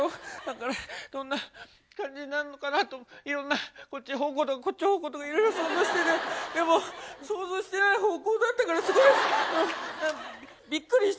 だからどんな感じになるのかなといろんなこっち方向とかこっち方向とかいろいろ想像しててでも想像してない方向だったからすごいびっくりしちゃって。